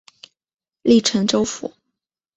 隶辰州府。